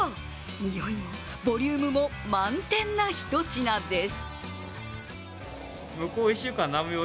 においもボリュームも満点なひと品です。